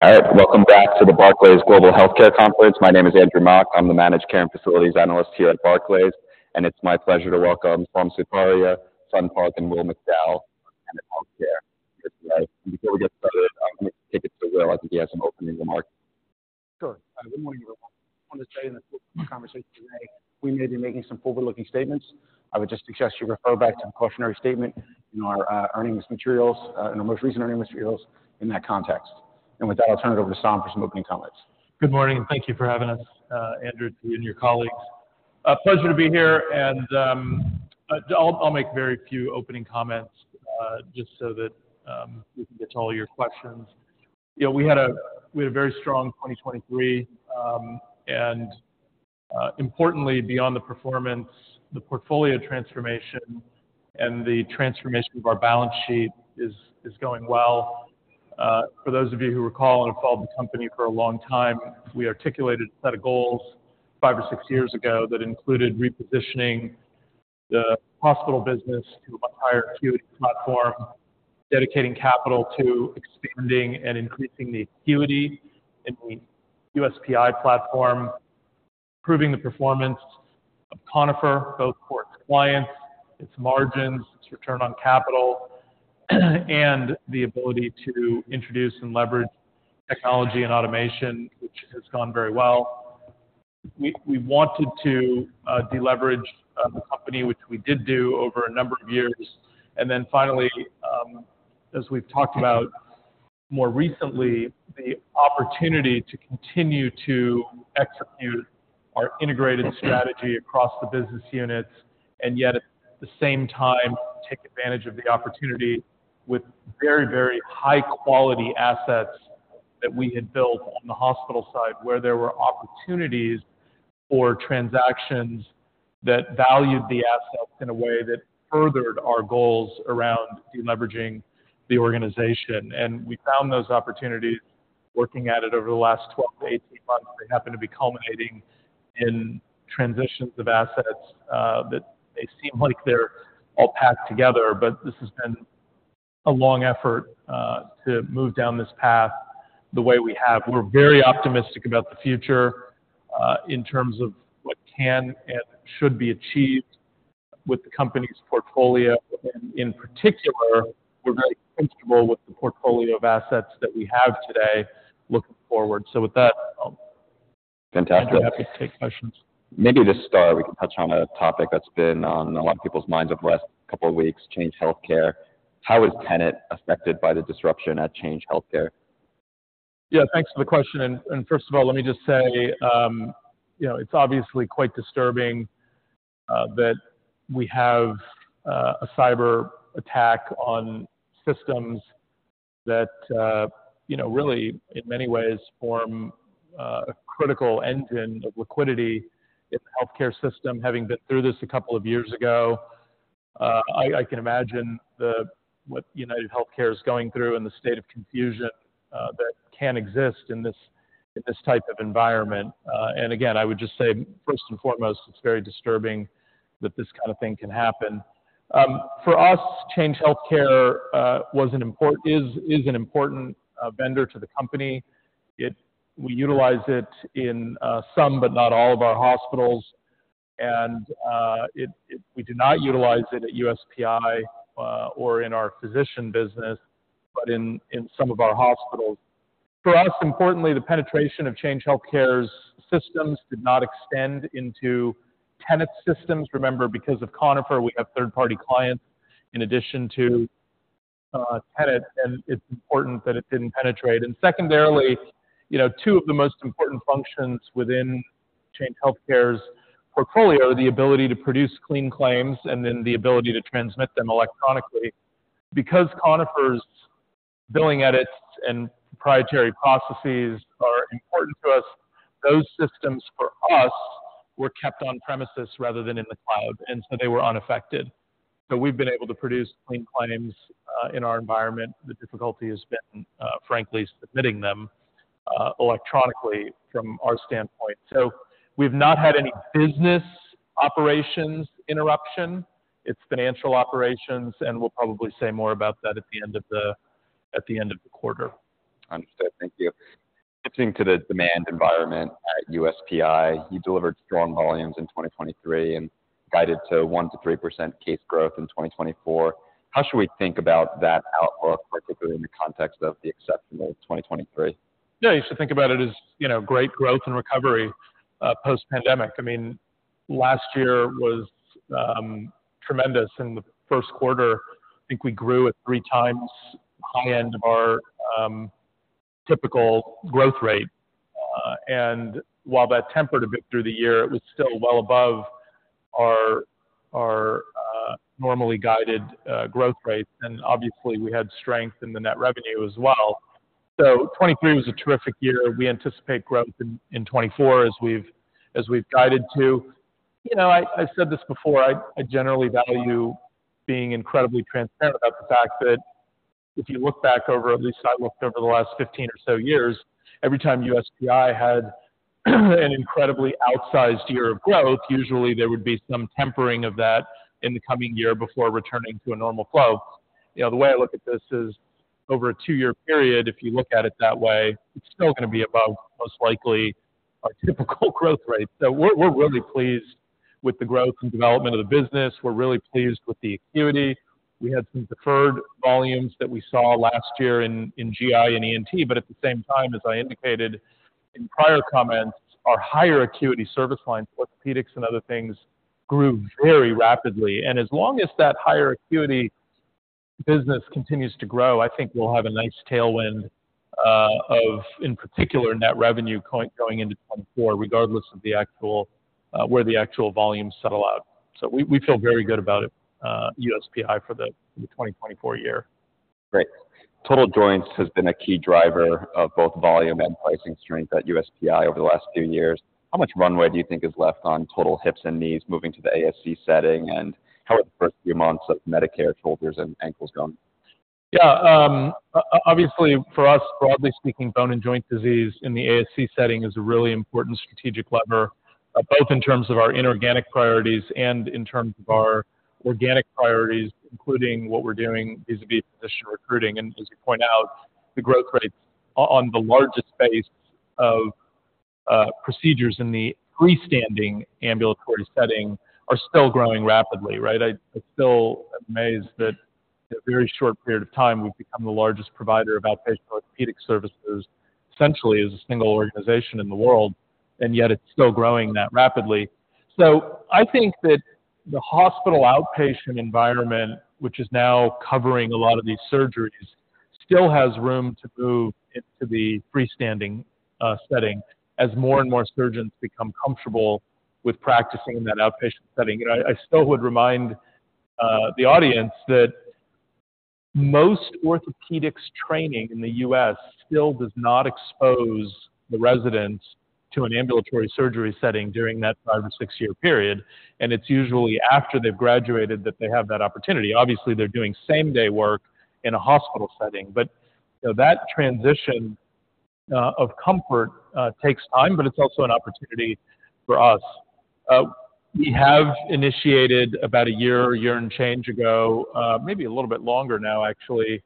All right, welcome back to the Barclays Global Healthcare Conference. My name is Andrew Mok, I'm the Managed Care and Facilities Analyst here at Barclays, and it's my pleasure to welcome Saum Sutaria, Sun Park, and Will McDowell from Tenet Healthcare. Before we get started, let me take it to Will. I think he has an opening remark. Sure. Good morning, everyone. I just wanted to say in the course of our conversation today, we may be making some forward-looking statements. I would just suggest you refer back to the cautionary statement in our, earnings materials, in our most recent earnings materials, in that context. And with that, I'll turn it over to Saum for some opening comments. Good morning, and thank you for having us, Andrew, to you and your colleagues. Pleasure to be here, and, I'll, I'll make very few opening comments, just so that, we can get to all your questions. You know, we had a very strong 2023, and, importantly, beyond the performance, the portfolio transformation and the transformation of our balance sheet is going well. For those of you who recall and have followed the company for a long time, we articulated a set of goals five or six years ago that included repositioning the hospital business to a much higher acuity platform, dedicating capital to expanding and increasing the acuity in the USPI platform, improving the performance of Conifer, both for its clients, its margins, its return on capital, and the ability to introduce and leverage technology and automation, which has gone very well. We wanted to deleverage the company, which we did do over a number of years, and then finally, as we've talked about more recently, the opportunity to continue to execute our integrated strategy across the business units, and yet at the same time take advantage of the opportunity with very, very high-quality assets that we had built on the hospital side where there were opportunities for transactions that valued the assets in a way that furthered our goals around deleveraging the organization. And we found those opportunities working at it over the last 12-18 months. They happen to be culminating in transactions of assets that may seem like they're all packed together, but this has been a long effort to move down this path the way we have. We're very optimistic about the future, in terms of what can and should be achieved with the company's portfolio, and in particular, we're very comfortable with the portfolio of assets that we have today looking forward. So with that, Fantastic. I'm happy to take questions. Maybe to start, we can touch on a topic that's been on a lot of people's minds over the last couple of weeks, Change Healthcare. How is Tenet affected by the disruption at Change Healthcare? Yeah, thanks for the question. And first of all, let me just say, you know, it's obviously quite disturbing that we have a cyber attack on systems that, you know, really, in many ways, form a critical engine of liquidity in the healthcare system, having been through this a couple of years ago. I can imagine what UnitedHealthcare is going through and the state of confusion that can exist in this type of environment. And again, I would just say, first and foremost, it's very disturbing that this kind of thing can happen. For us, Change Healthcare is an important vendor to the company. We utilize it in some but not all of our hospitals, and we do not utilize it at USPI, or in our physician business, but in some of our hospitals. For us, importantly, the penetration of Change Healthcare's systems did not extend into Tenet's systems. Remember, because of Conifer, we have third-party clients in addition to Tenet, and it's important that it didn't penetrate. And secondarily, you know, two of the most important functions within Change Healthcare's portfolio are the ability to produce clean claims and then the ability to transmit them electronically. Because Conifer's billing edits and proprietary processes are important to us, those systems, for us, were kept on-premises rather than in the cloud, and so they were unaffected. So we've been able to produce clean claims in our environment. The difficulty has been, frankly, submitting them electronically from our standpoint. So we've not had any business operations interruption. It's financial operations, and we'll probably say more about that at the end of the quarter. Understood. Thank you. Switching to the demand environment at USPI, you delivered strong volumes in 2023 and guided to 1%-3% case growth in 2024. How should we think about that outlook, particularly in the context of the exceptional 2023? Yeah, you should think about it as, you know, great growth and recovery, post-pandemic. I mean, last year was tremendous. In the first quarter, I think we grew at three times high end of our typical growth rate. While that tempered a bit through the year, it was still well above our normally guided growth rates. Obviously, we had strength in the net revenue as well. So 2023 was a terrific year. We anticipate growth in 2024 as we've guided to. You know, I've said this before. I generally value being incredibly transparent about the fact that if you look back over at least I looked over the last 15 or so years, every time USPI had an incredibly outsized year of growth, usually there would be some tempering of that in the coming year before returning to a normal flow. You know, the way I look at this is, over a two-year period, if you look at it that way, it's still gonna be above, most likely, our typical growth rate. So we're, we're really pleased with the growth and development of the business. We're really pleased with the acuity. We had some deferred volumes that we saw last year in, in GI and ENT, but at the same time, as I indicated in prior comments, our higher acuity service lines, orthopedics and other things, grew very rapidly. And as long as that higher acuity business continues to grow, I think we'll have a nice tailwind, of in particular net revenue going into 2024, regardless of the actual where the actual volumes settle out. So we, we feel very good about it, USPI for the for the 2024 year. Great. Total joints has been a key driver of both volume and pricing strength at USPI over the last few years. How much runway do you think is left on total hips and knees moving to the ASC setting, and how are the first few months of Medicare shoulders and ankles going? Yeah, obviously, for us, broadly speaking, bone and joint disease in the ASC setting is a really important strategic lever, both in terms of our inorganic priorities and in terms of our organic priorities, including what we're doing vis-à-vis physician recruiting. And as you point out, the growth rates on the largest base of procedures in the freestanding ambulatory setting are still growing rapidly, right? I still am amazed that in a very short period of time, we've become the largest provider of outpatient orthopedic services, essentially, as a single organization in the world, and yet it's still growing that rapidly. So I think that the hospital outpatient environment, which is now covering a lot of these surgeries, still has room to move into the freestanding setting as more and more surgeons become comfortable with practicing in that outpatient setting. You know, I still would remind the audience that most orthopedics training in the U.S. still does not expose the residents to an ambulatory surgery setting during that five or six year period, and it's usually after they've graduated that they have that opportunity. Obviously, they're doing same-day work in a hospital setting, but, you know, that transition of comfort takes time, but it's also an opportunity for us. We have initiated about a year and change ago, maybe a little bit longer now, actually,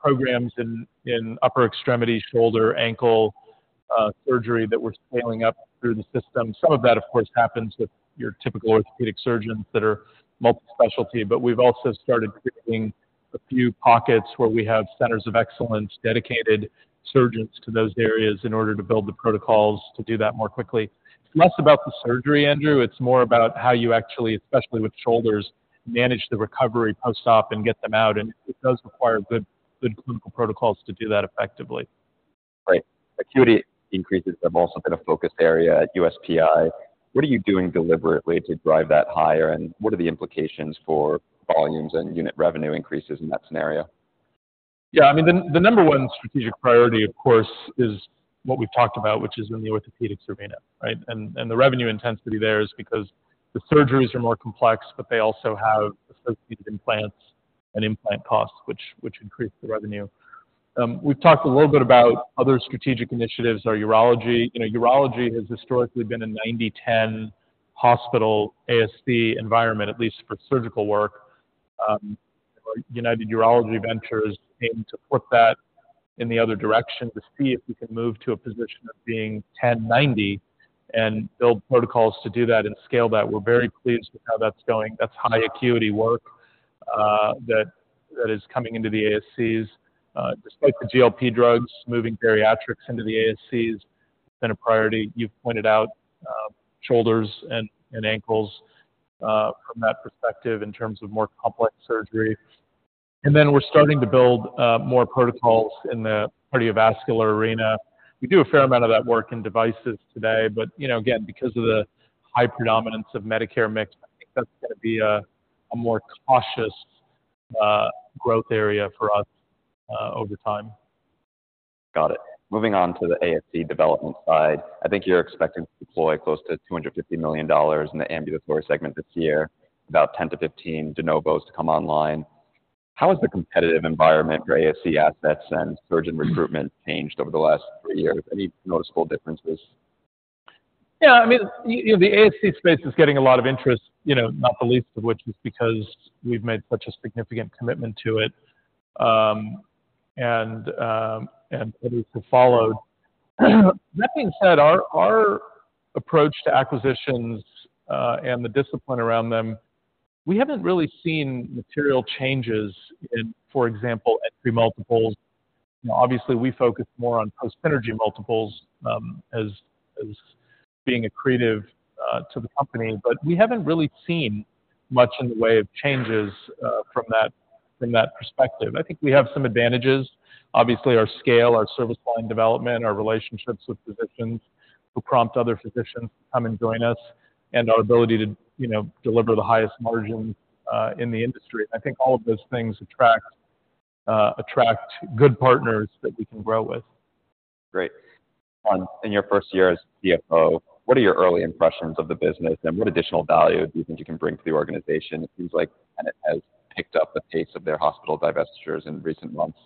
programs in upper extremity, shoulder, ankle, surgery that we're scaling up through the system. Some of that, of course, happens with your typical orthopedic surgeons that are multispecialty, but we've also started creating a few pockets where we have centers of excellence, dedicated surgeons to those areas, in order to build the protocols to do that more quickly. It's less about the surgery, Andrew. It's more about how you actually, especially with shoulders, manage the recovery post-op and get them out. It does require good clinical protocols to do that effectively. Right. Acuity increases have also been a focus area at USPI. What are you doing deliberately to drive that higher, and what are the implications for volumes and unit revenue increases in that scenario? Yeah, I mean, the number 1 strategic priority, of course, is what we've talked about, which is in the orthopedics services, right? And the revenue intensity there is because the surgeries are more complex, but they also have associated implants and implant costs, which increase the revenue. We've talked a little bit about other strategic initiatives. Our urology, you know, urology has historically been a 90/10 hospital ASC environment, at least for surgical work. United Urology ventures aim to flip that in the other direction to see if we can move to a position of being 10/90 and build protocols to do that and scale that. We're very pleased with how that's going. That's high-acuity work, that is coming into the ASCs. Despite the GLP drugs, moving bariatrics into the ASCs has been a priority. You've pointed out shoulders and ankles from that perspective in terms of more complex surgery. Then we're starting to build more protocols in the cardiovascular arena. We do a fair amount of that work in devices today, but you know, again, because of the high predominance of Medicare mix, I think that's gonna be a more cautious growth area for us over time. Got it. Moving on to the ASC development side, I think you're expecting to deploy close to $250 million in the ambulatory segment this year, about 10-15 de novos to come online. How has the competitive environment for ASC assets and surgeon recruitment changed over the last three years? Any noticeable differences? Yeah, I mean, you know, the ASC space is getting a lot of interest, you know, not the least of which is because we've made such a significant commitment to it, and others have followed. That being said, our approach to acquisitions, and the discipline around them, we haven't really seen material changes in, for example, entry multiples. You know, obviously, we focus more on post-synergy multiples, as being accretive to the company, but we haven't really seen much in the way of changes, from that perspective. I think we have some advantages. Obviously, our scale, our service line development, our relationships with physicians who prompt other physicians to come and join us, and our ability to, you know, deliver the highest margins in the industry. And I think all of those things attract good partners that we can grow with. Great. In your first year as CFO, what are your early impressions of the business, and what additional value do you think you can bring to the organization? It seems like Tenet has picked up the pace of their hospital divestitures in recent months.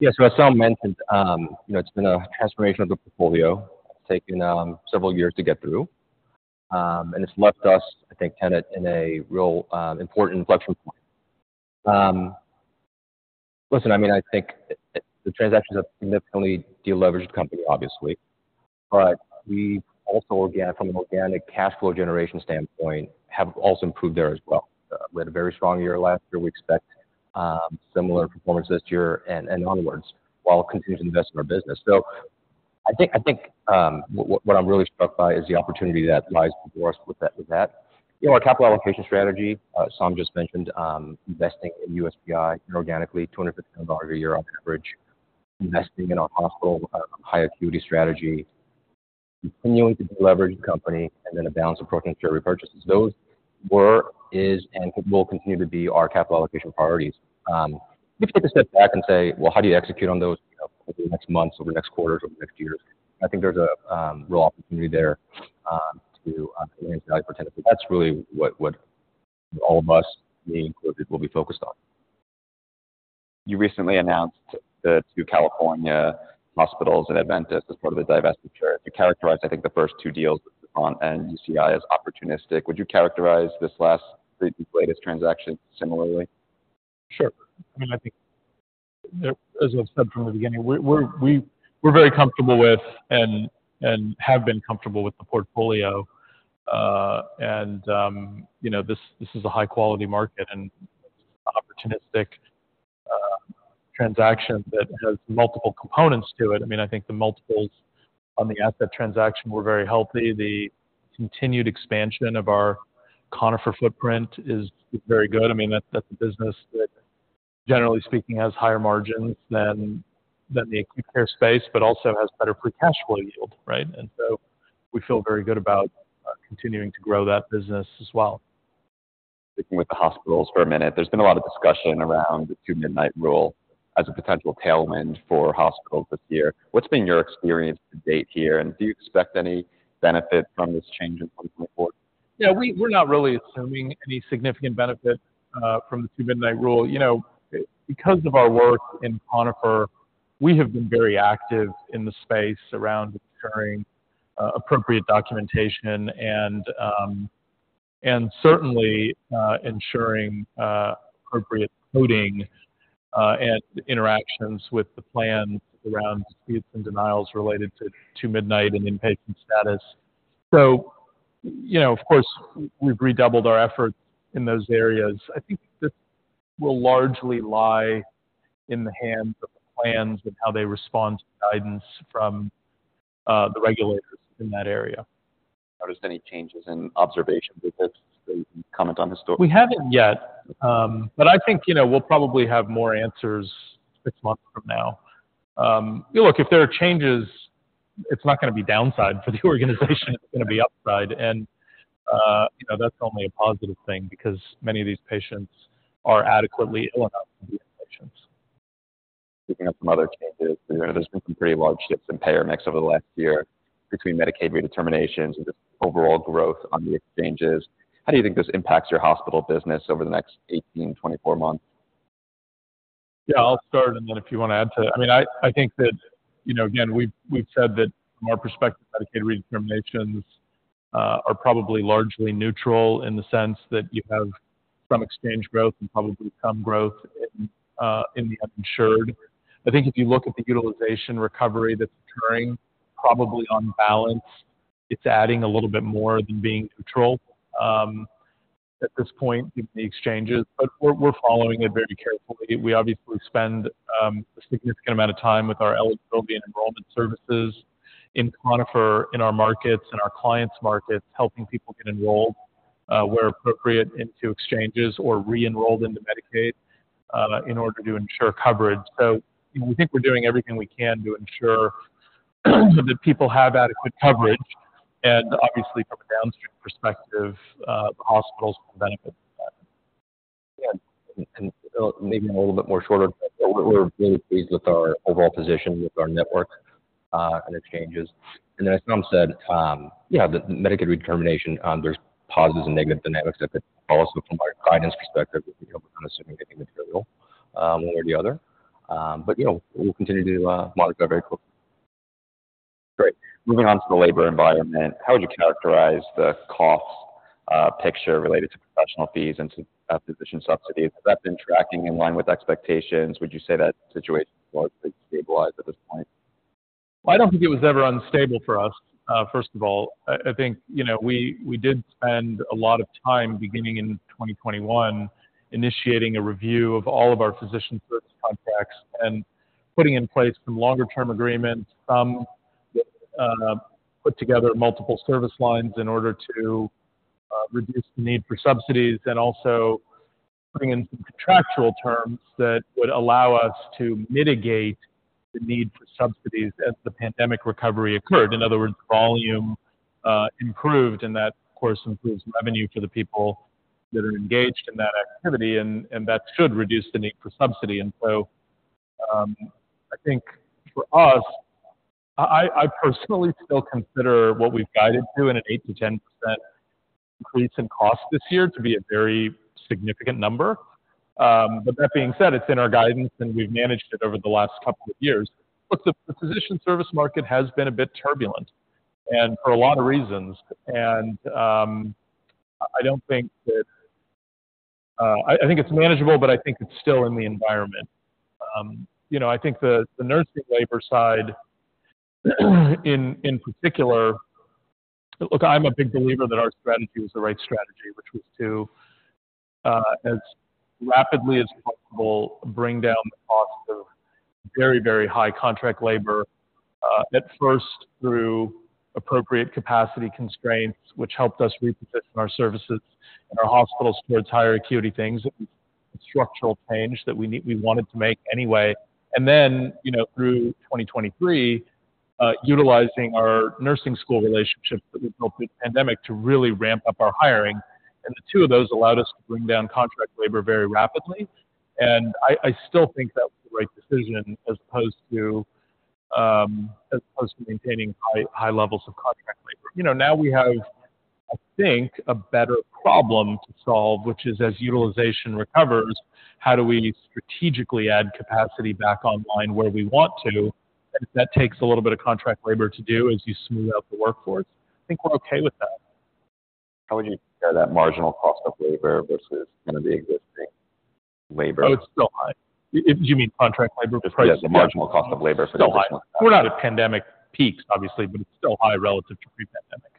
Yeah, so as Saum mentioned, you know, it's been a transformation of the portfolio. It's taken several years to get through, and it's left us, I think, Tenet in a real important inflection point. Listen, I mean, I think the transactions have significantly de-leveraged the company, obviously, but we've also organic from an organic cash flow generation standpoint have also improved there as well. We had a very strong year last year. We expect similar performance this year and onwards while continuing to invest in our business. So I think what I'm really struck by is the opportunity that lies before us with that. You know, our capital allocation strategy, Saum just mentioned, investing in USPI inorganically, $250 million a year on average, investing in our hospital high-acuity strategy, continuing to de-leverage the company, and then a balance approaching share repurchases. Those were, is, and will continue to be our capital allocation priorities. If you take a step back and say, "Well, how do you execute on those, you know, over the next months, over the next quarters, over the next years?" I think there's a real opportunity there to advance value for Tenet. So that's really what all of us, me included, will be focused on. You recently announced the two California hospitals and Adventist as part of the divestiture. If you characterize, I think, the first two deals with Novant and UCI as opportunistic, would you characterize these latest transactions similarly? Sure. I mean, I think there, as I've said from the beginning, we're very comfortable with and have been comfortable with the portfolio. You know, this is a high-quality market, and it's an opportunistic transaction that has multiple components to it. I mean, I think the multiples on the asset transaction were very healthy. The continued expansion of our Conifer footprint is very good. I mean, that's a business that, generally speaking, has higher margins than the acute care space but also has better free cash flow yield, right? And so we feel very good about continuing to grow that business as well. Sticking with the hospitals for a minute, there's been a lot of discussion around the Two-midnight Rule as a potential tailwind for hospitals this year. What's been your experience to date here, and do you expect any benefit from this change in 2024? Yeah, we're not really assuming any significant benefit from the Two-Midnight Rule. You know, because of our work in Conifer, we have been very active in the space around ensuring appropriate documentation and certainly ensuring appropriate coding and interactions with the plans around disputes and denials related to two-midnight and inpatient status. So, you know, of course, we've redoubled our efforts in those areas. I think this will largely lie in the hands of the plans and how they respond to guidance from the regulators in that area. Noticed any changes in observations of this? Any comment on historic? We haven't yet, but I think, you know, we'll probably have more answers six months from now. You know, look, if there are changes, it's not gonna be downside for the organization. It's gonna be upside. And, you know, that's only a positive thing because many of these patients are adequately ill enough to be inpatients. Speaking of some other changes, you know, there's been some pretty large shifts in payer mix over the last year between Medicaid redeterminations and just overall growth on the exchanges. How do you think this impacts your hospital business over the next 18-24 months? Yeah, I'll start, and then if you wanna add to it, I mean, I think that, you know, again, we've said that from our perspective, Medicaid redeterminations are probably largely neutral in the sense that you have some exchange growth and probably some growth in the uninsured. I think if you look at the utilization recovery that's occurring, probably on balance, it's adding a little bit more than being neutral, at this point, given the exchanges. But we're following it very carefully. We obviously spend a significant amount of time with our eligibility and enrollment services in Conifer, in our markets, in our clients' markets, helping people get enrolled, where appropriate, into exchanges or re-enrolled into Medicaid, in order to ensure coverage. So, you know, we think we're doing everything we can to ensure that people have adequate coverage. Obviously, from a downstream perspective, the hospitals will benefit from that. Yeah, and maybe in a little bit more shorter term, we're really pleased with our overall position with our network, and exchanges. And then as Saum said, yeah, the Medicaid redetermination, there's positives and negative dynamics that could follow. So from our guidance perspective, you know, we're not assuming anything material, one way or the other. But, you know, we'll continue to monitor that very closely. Great. Moving on to the labor environment, how would you characterize the cost picture related to professional fees and physician subsidies? Has that been tracking in line with expectations? Would you say that situation is largely stabilized at this point? Well, I don't think it was ever unstable for us, first of all. I, I think, you know, we, we did spend a lot of time beginning in 2021 initiating a review of all of our physician service contracts and putting in place some longer-term agreements, some, put together multiple service lines in order to, reduce the need for subsidies, and also putting in some contractual terms that would allow us to mitigate the need for subsidies as the pandemic recovery occurred. In other words, volume, improved, and that, of course, improves revenue for the people that are engaged in that activity, and, and that should reduce the need for subsidy. And so, I think for us, I, I, I personally still consider what we've guided to in an 8%-10% increase in cost this year to be a very significant number. But that being said, it's in our guidance, and we've managed it over the last couple of years. Look, the physician service market has been a bit turbulent and for a lot of reasons. And I don't think that I think it's manageable, but I think it's still in the environment. You know, I think the nursing labor side in particular, look, I'm a big believer that our strategy was the right strategy, which was to, as rapidly as possible, bring down the cost of very, very high contract labor, at first through appropriate capacity constraints, which helped us reposition our services and our hospitals towards higher-acuity things. It was a structural change that we need we wanted to make anyway. And then, you know, through 2023, utilizing our nursing school relationships that we built through the pandemic to really ramp up our hiring, and the two of those allowed us to bring down contract labor very rapidly. And I still think that was the right decision as opposed to maintaining high, high levels of contract labor. You know, now we have, I think, a better problem to solve, which is, as utilization recovers, how do we strategically add capacity back online where we want to? And if that takes a little bit of contract labor to do as you smooth out the workforce, I think we're okay with that. How would you compare that marginal cost of labor versus kind of the existing labor? Oh, it's still high. If you mean contract labor prices? Yes, the marginal cost of labor for the additional. It's still high. We're not at pandemic peaks, obviously, but it's still high relative to pre-pandemic.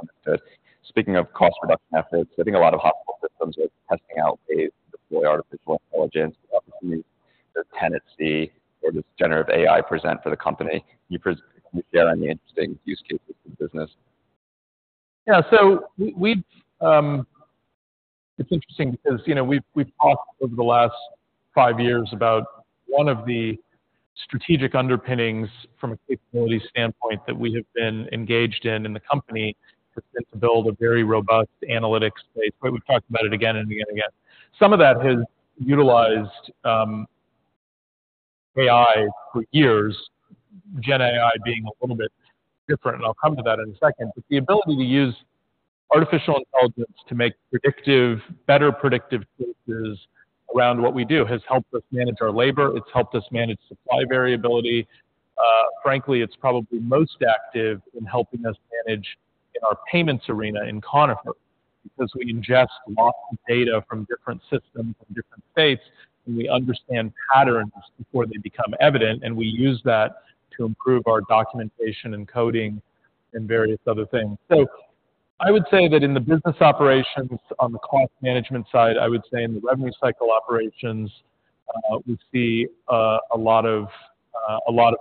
Understood. Speaking of cost reduction efforts, I think a lot of hospital systems are testing out ways to deploy artificial intelligence. The opportunities that Tenet see or does generative AI present for the company, can you share any interesting use cases for the business? Yeah, so it's interesting because, you know, we've talked over the last five years about one of the strategic underpinnings from a capability standpoint that we have been engaged in, in the company, has been to build a very robust analytics space. Right? We've talked about it again and again and again. Some of that has utilized AI for years, Gen AI being a little bit different, and I'll come to that in a second, but the ability to use artificial intelligence to make predictive, better predictive choices around what we do has helped us manage our labor. It's helped us manage supply variability. Frankly, it's probably most active in helping us manage in our payments arena in Conifer because we ingest lots of data from different systems in different states, and we understand patterns before they become evident. And we use that to improve our documentation and coding and various other things. So I would say that in the business operations, on the cost management side, I would say in the revenue cycle operations, we see a lot of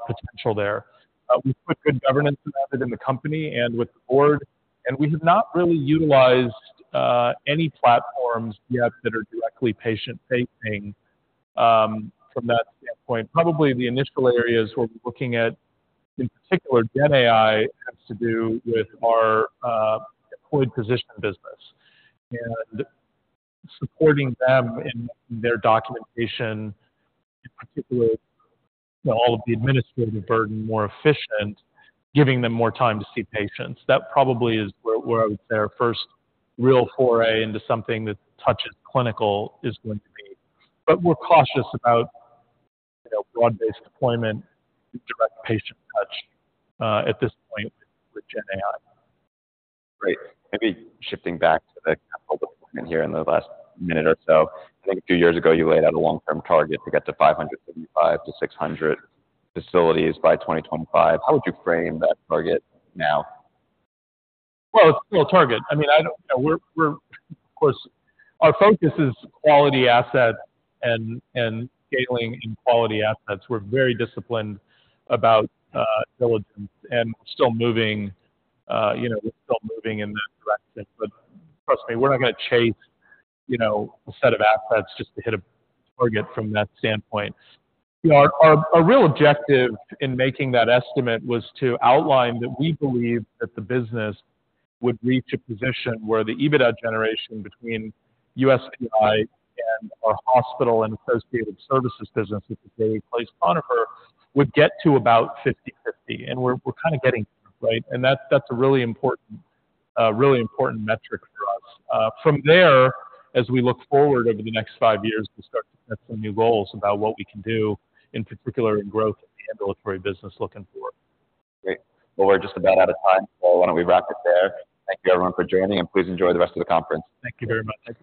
potential there. We've put good governance around it in the company and with the board. And we have not really utilized any platforms yet that are directly patient-facing, from that standpoint. Probably the initial areas where we're looking at, in particular, Gen AI has to do with our employed physician business and supporting them in making their documentation, in particular, you know, all of the administrative burden more efficient, giving them more time to see patients. That probably is where I would say our first real foray into something that touches clinical is going to be. But we're cautious about, you know, broad-based deployment and direct patient touch, at this point with Gen AI. Great. Maybe shifting back to the capital deployment here in the last minute or so. I think a few years ago, you laid out a long-term target to get to 575-600 facilities by 2025. How would you frame that target now? Well, it's a real target. I mean, I don't, you know, we're, we're of course, our focus is quality assets and, and scaling in quality assets. We're very disciplined about due diligence, and we're still moving, you know, we're still moving in that direction. But trust me, we're not gonna chase, you know, a set of assets just to hit a target from that standpoint. You know, our, our, our real objective in making that estimate was to outline that we believe that the business would reach a position where the EBITDA generation between USPI and our hospital and associated services business, which is where we place Conifer, would get to about 50/50. And we're, we're kinda getting there, right? And that, that's a really important, really important metric for us. From there, as we look forward over the next five years, we'll start to set some new goals about what we can do, in particular, in growth and the ambulatory business looking forward. Great. Well, we're just about out of time, so why don't we wrap it there? Thank you, everyone, for joining, and please enjoy the rest of the conference. Thank you very much.